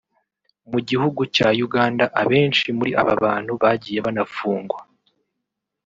mu gihugu cya Uganda abenshi muri aba bantu bagiye banafungwa